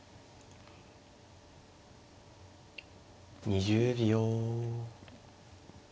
２０秒。